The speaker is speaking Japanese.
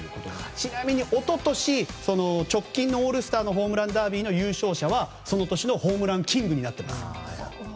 ちなみに、一昨年直近のオールスターのホームランダービーの優勝者はその年のホームランキングになっています。